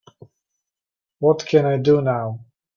what can I do now?